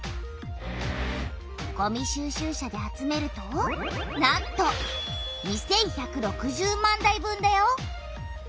ごみ収集車で集めるとなんと２１６０万台分だよ！